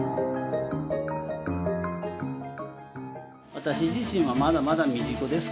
私自身はまだまだ未熟ですから。